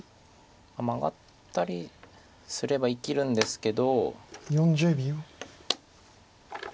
マガったりすれば生きるんですけど。